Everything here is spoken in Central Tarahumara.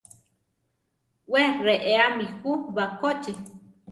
Wé reéami jú bakóchi.